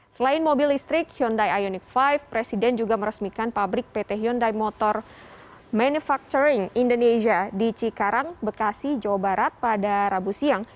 selain mobil listrik hyundai ioniq lima presiden juga meresmikan pabrik pt hyundai motor manufacturing indonesia di cikarang bekasi jawa barat pada rabu siang